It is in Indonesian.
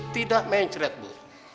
tidak mencret bu